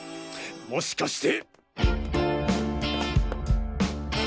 もしかして！？